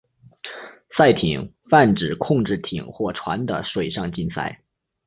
赛艇泛指控制艇或船的水上竞赛。